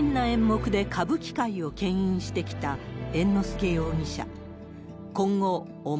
斬新な演目で歌舞伎界をけん引してきた猿之助容疑者。